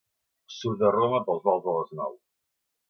Surt de Roma pels volts de les nou.